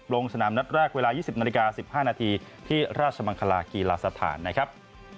ลงสนามนัดแรกเวลา๒๐นาฬิกา๑๕นาทีที่ราชมังคลากีฬาสถานนะครับ